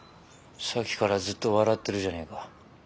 さっきからずっと笑ってるじゃねえか。